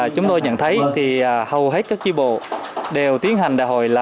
chúng tôi nhận thấy hầu hết các tri bộ đều tiến hành đại hội